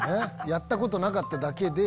やったことなかっただけで。